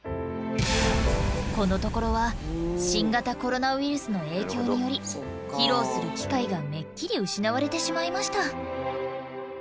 このところは新型コロナウイルスの影響により披露する機会がめっきり失われてしまいました。